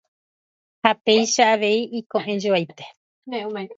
Ha péicha avei iko'ẽjoaite.